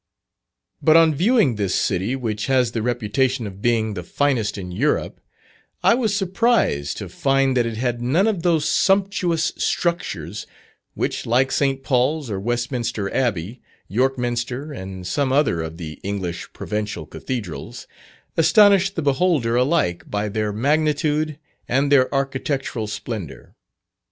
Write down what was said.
But on viewing this city which has the reputation of being the finest in Europe, I was surprised to find that it had none of those sumptuous structures, which like St. Paul's, or Westminster Abbey, York Minster, and some other of the English provincial Cathedrals, astonish the beholder alike by their magnitude and their architectural splendour.